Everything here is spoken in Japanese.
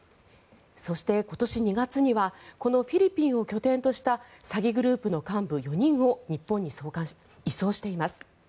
そして、今年２月にはこのフィリピンを拠点とした詐欺グループの幹部４人を日本に移送しています。